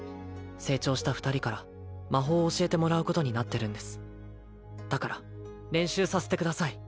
成長した２人から魔法を教えてもらうことになってるんですだから練習させてください